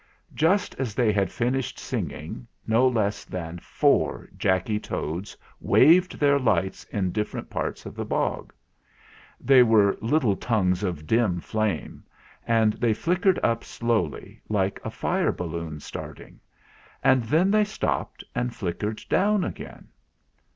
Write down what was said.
Just as they had finished singing, no less than four Jacky Toads waved their lights in different parts of the bog. They were little tongues of dim flame, and they flickered up slowly, like a fire balloon starting; and then they stopped and flickered down again.